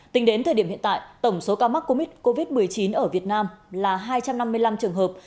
tính đến thời điểm hiện tại tổng số ca mắc covid một mươi chín ở việt nam là hai trăm năm mươi năm trường hợp